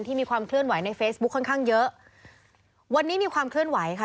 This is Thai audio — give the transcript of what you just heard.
มีความเคลื่อนไหวในเฟซบุ๊คค่อนข้างเยอะวันนี้มีความเคลื่อนไหวค่ะ